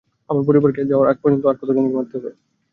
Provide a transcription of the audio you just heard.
আমার পরিবারকে পাওয়ার আগ পর্যন্ত আর কতজনকে মারতে হবে?